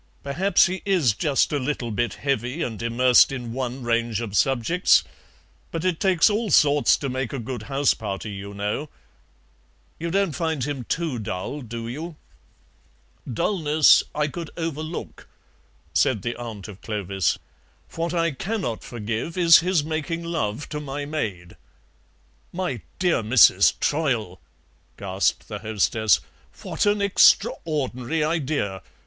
Perhaps he is just a little bit heavy and immersed in one range of subjects, but it takes all sorts to make a good house party, you know. You don't find him TOO dull, do you?" "Dullness I could overlook," said the aunt of Clovis; "what I cannot forgive is his making love to my maid." "My dear Mrs. Troyle," gasped the hostess, "what an extraordinary idea!